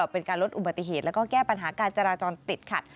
เป็นการลดอุบัติเหตุแล้วก็แก้ปัญหาการจราจรติดขัด